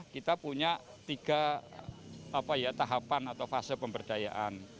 kita punya tiga tahapan atau fase pemberdayaan